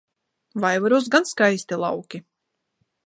Vaivaros gan skaisti lauki!